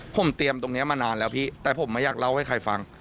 ผมเตรียมตรงนี้มานานแล้วพี่แต่ผมไม่อยากเล่าให้ใครฟัง